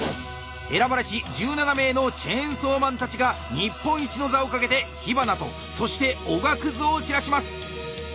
選ばれし１７名のチェーンソーマンたちが日本一の座をかけて火花とそしておがくずを散らします！